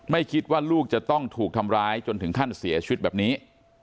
ไม่คิดว่าลูกจะต้องถูกทำร้ายจนถึงขั้นเสียชีวิตแบบนี้